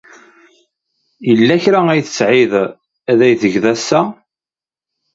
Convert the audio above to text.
Yella kra ay tesɛiḍ ad tgeḍ ass-a?